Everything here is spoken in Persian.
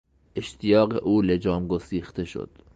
اشتیاق او لجام گسیخته شد.